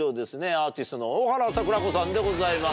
アーティストの大原櫻子さんでございます。